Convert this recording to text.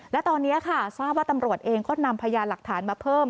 และตอนณภาพทำว่าตำรวจเองก็นำพยายามหลักฐานมาเพิ่ม